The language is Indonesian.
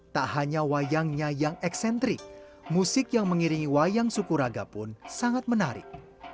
tak hanya wayangnya yang eksentrik musik yang mengiringi wayang sukuraga pun sangat menarik